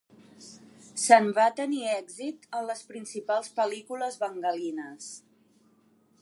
Sen va tenir èxit en les principals pel·lícules bengalines.